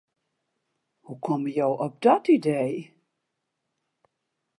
Hoe komme jo op dat idee?